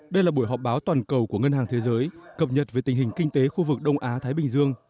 đây là buổi họp báo toàn cầu của ngân hàng thế giới cập nhật về tình hình kinh tế khu vực đông á thái bình dương